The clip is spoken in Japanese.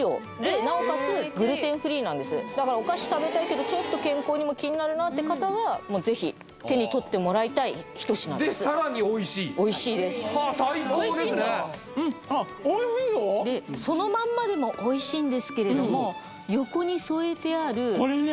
だからお菓子食べたいけどちょっと健康にも気になるなって方はもうぜひ手に取ってもらいたい一品ですでさらにおいしいおいしいです最高ですねでそのまんまでもおいしいんですけれども横に添えてあるこれね！